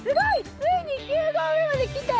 ついに九合目まで来たよ